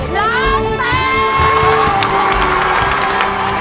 ร้อนแป๊บ